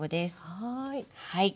はい。